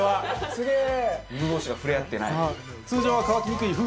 すげえ！